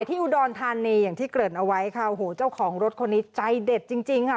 ที่อุดรธานีอย่างที่เกริ่นเอาไว้ค่ะโอ้โหเจ้าของรถคนนี้ใจเด็ดจริงจริงค่ะ